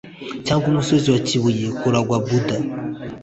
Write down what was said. cyangwa umusozi wa kibuye kuranga buda